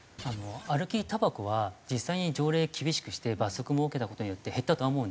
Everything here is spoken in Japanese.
歩きたばこは実際に条例厳しくして罰則設けた事によって減ったとは思うんですよ。